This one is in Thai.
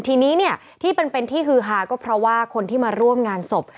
ทีนี้เนี่ยที่เป็นที่ฮือฮาก็เพราะว่าคนที่มาร่วมงานศพ